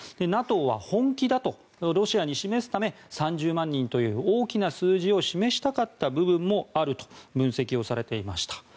ＮＡＴＯは本気だとロシアに示すため３０万人という大きな数字を示したかった部分もあると分析をされていました。